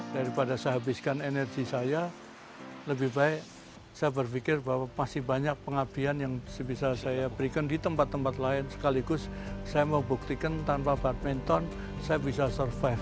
daripada saya habiskan energi saya lebih baik saya berpikir bahwa masih banyak pengabdian yang bisa saya berikan di tempat tempat lain sekaligus saya mau buktikan tanpa badminton saya bisa survive